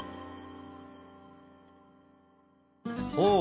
ほう。